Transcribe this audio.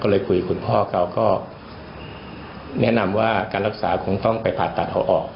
ก็เลยคุยคุณพ่อเขาก็แนะนำว่าการรักษาคงต้องไปผ่าตัดเขาออก